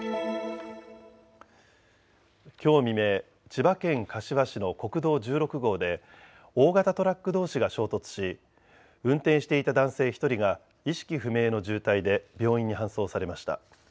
きょう未明、千葉県柏市の国道１６号で大型トラックどうしが衝突し運転していた男性１人が意識不明の重体で病院に搬送されました。